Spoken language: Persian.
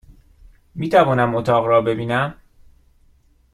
میتوانم اتاق را ببینم؟